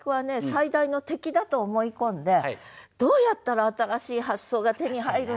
最大の敵だと思い込んで「どうやったら新しい発想が手に入るんだろう？」って